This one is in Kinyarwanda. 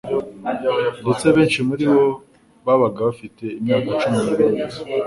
ndetse benshi muri bo babaga bafite imyaka cumi nibiri gusa.